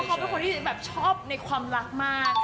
เขาเป็นคนที่แบบชอบในความรักมาก